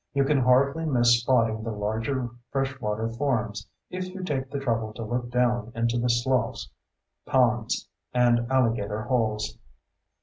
You can hardly miss spotting the larger fresh water forms if you take the trouble to look down into the sloughs, ponds, and alligator holes.